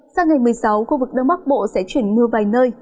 sang ngày một mươi sáu khu vực đông bắc bộ sẽ chuyển mưa vài nơi